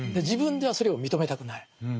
自分ではそれを認めたくない。